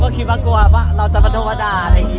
ไม่ได้มิเจตจังนะว่าจะตอบว่าเธอ